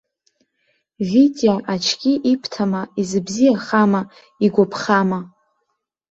Витиаочки ибҭама, изыбзиахама, игәаԥхама?